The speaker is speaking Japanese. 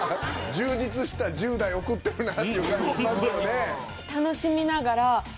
充実した１０代送ってるなっていう感じしますよね。